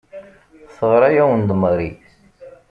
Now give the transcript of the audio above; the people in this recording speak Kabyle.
Teɣra-awen-d Mary.